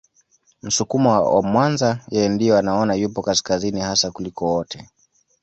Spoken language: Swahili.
Msukuma wa Mwanza yeye ndio anaona yupo kaskazini hasa kuliko wote